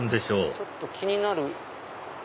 ちょっと気になる。